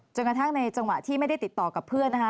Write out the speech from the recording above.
กระทั่งในจังหวะที่ไม่ได้ติดต่อกับเพื่อนนะคะ